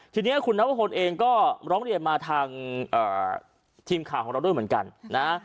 ทีนี้คุณนวพลเองก็ร้องเรียนมาทางทีมข่าวของเราด้วยเหมือนกันนะ